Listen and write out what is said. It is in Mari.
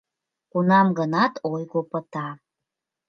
Кунам-гынат ойго пыта.